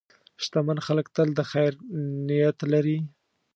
شتمن خلک تل د خیر نیت لري.